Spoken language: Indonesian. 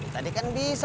tadi kan bisa